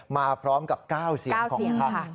มาพร้อมกับ๙เสียงของพัก